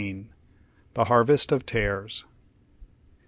THE HARVEST OP TABES.